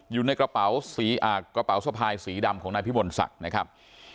อยู่ในกระเป๋าสีอ่ากระเป๋าสภายสีดำของนายพิมนศักดิ์นะครับ